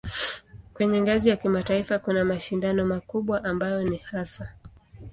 Kwenye ngazi ya kimataifa kuna mashindano makubwa ambayo ni hasa